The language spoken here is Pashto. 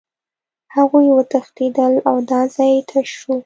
هغوی وتښتېدل او دا ځای تش شو